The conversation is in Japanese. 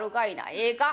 ええか？